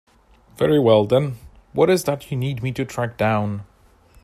Very well then, what is it that you need me to track down?